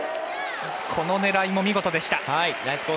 この狙いも、見事でした。